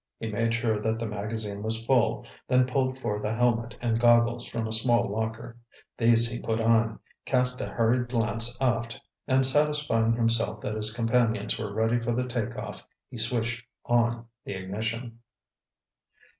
He made sure that the magazine was full, then pulled forth a helmet and goggles from a small locker. These he put on, cast a hurried glance aft and satisfying himself that his companions were ready for the take off, he switched on the ignition.